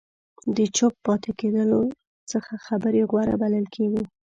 د چوپ پاتې کېدلو څخه خبرې غوره بلل کېږي.